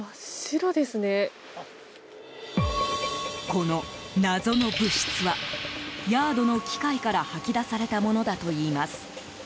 この謎の物質はヤードの機械から吐き出されたものだといいます。